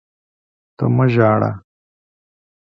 ته مه ژاړه!